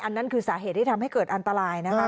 นั่นคือสาเหตุที่ทำให้เกิดอันตรายนะคะ